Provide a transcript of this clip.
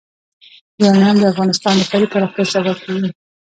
یورانیم د افغانستان د ښاري پراختیا سبب کېږي.